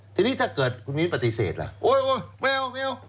ทีนี้ถ้าเกิดคุณมิ้นปฏิเสธล่ะโอ๊ยไม่เอาไม่เอา